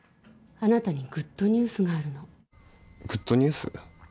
あなたにグッドニュースがあるのグッドニュース？